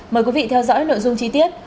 mời quý vị theo dõi nội dung chi tiết